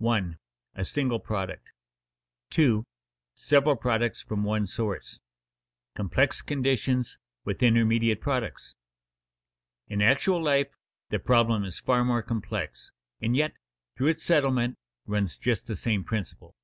[Illustration: 1. A single Product 2. Several Products from one Source] [Sidenote: Complex conditions with intermediate products] In actual life the problem is far more complex, and yet, through its settlement runs just the same principle.